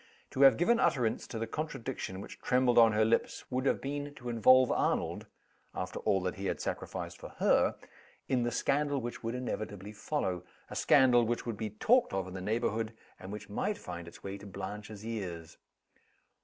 To have given utterance to the contradiction which trembled on her lips would have been to involve Arnold (after all that he had sacrificed for her) in the scandal which would inevitably follow a scandal which would be talked of in the neighborhood, and which might find its way to Blanche's ears.